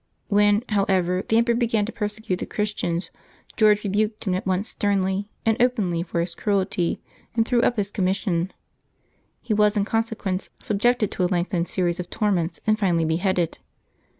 When, however, the emperor began to persecute the Chris tians, George rebuked him at once sternly and openly for his cruelty, and threw up his commission. He was in con sequence subjected to a lengthened series of torments, and finally beheaded.